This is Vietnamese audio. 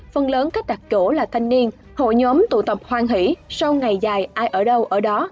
phần lớn khách đặt chỗ là thanh niên hội nhóm tụ tập hoàng hỷ sau ngày dài ai ở đâu ở đó